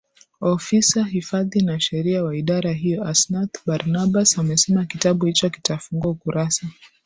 Ofisa Hifadhi na Sheria wa Idara hiyo Asnath Barnabas amesema kitabu hicho kitafungua ukurasa